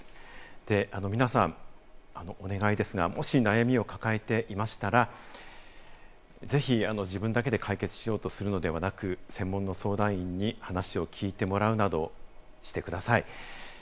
で、皆さん、お願いですが、もし悩みを抱えていましたら、ぜひ自分だけで解決しようとするのではなく、専門の相談員に話を聞いてもらうなどしてください。